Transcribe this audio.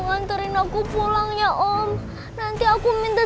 mari jangan suruh g treated tante